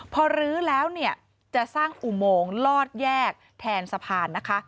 พอรื้อแล้วเนี่ยจะสร้างอุโมงลอดแยกแทนสะพานนะคะ